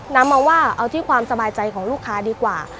นำมาว่าเอาที่ความสบายใจของลูกค้าดีกว่า